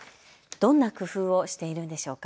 どんな工夫をしているんでしょうか。